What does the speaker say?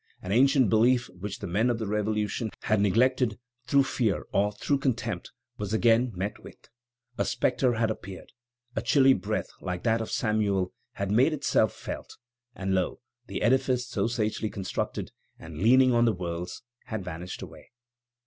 An ancient belief which the men of the Revolution had neglected through fear or through contempt was again met with; a spectre had appeared; a chilly breath, like that of Samuel, had made itself felt; and lo, the edifice so sagely constructed, and leaning on the worlds, has vanished away."